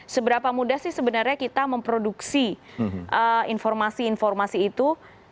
seberapa mudah sih sebenarnya kita memproduksi informasi informasi itu